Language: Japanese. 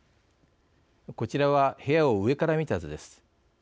こちらは部屋を上から見た図です。